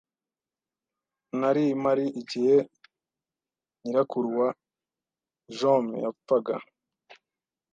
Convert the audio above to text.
Nari mpari igihe nyirakuru wa Jaume yapfaga.